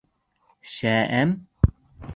— Шә-әм?